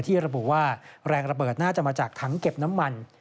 ระบุว่าแรงระเบิดน่าจะมาจากถังเก็บน้ำมัน